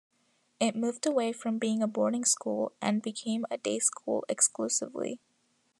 It moved away from being a boarding school and became a day school exclusively.